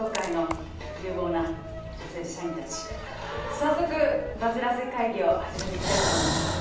早速バズらせ会議を始めていきたいと思います。